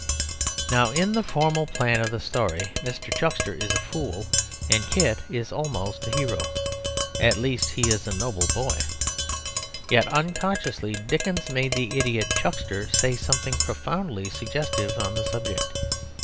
Now in the formal plan of the story Mr. Chuckster is a fool, and Kit is almost a hero; at least he is a noble boy. Yet unconsciously Dickens made the idiot Chuckster say something profoundly suggestive on the subject.